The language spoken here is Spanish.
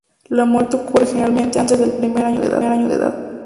La muerte ocurre generalmente antes del primer año de edad.